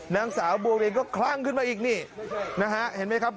นางสาวบัวเรียนก็คลั่งขึ้นมาอีกนี่นะฮะเห็นไหมครับ